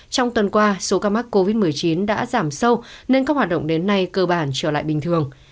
trong tuần qua số ca mắc covid một mươi chín đã giảm sâu nên các hoạt động đến nay cơ bản trở lại bình thường